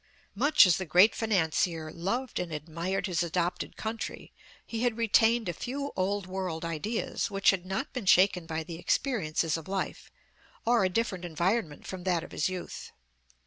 Much as the great financier loved and admired his adopted country, he had retained a few old world ideas, which had not been shaken by the experiences of life, or a different environment from that of his youth.